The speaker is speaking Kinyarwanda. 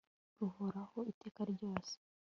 ruhoraho iteka ryose